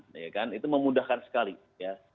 nah ya kan itu memudahkan sekali ya